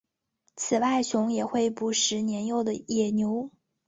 此外熊也会猎食年幼的野牛。